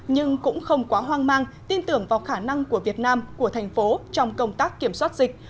nhưng cũng không quá hoang mang tin tưởng vào khả năng của việt nam của thành phố trong công tác kiểm soát dịch